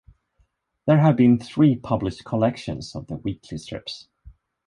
There have been three published collections of the weekly strips.